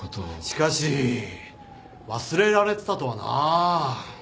しかし忘れられてたとはなあ。